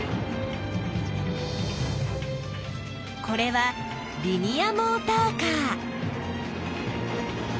これはリニアモーターカー。